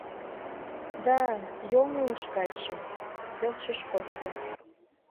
— Да, йоҥылыш кайшым, — келшыш Костя.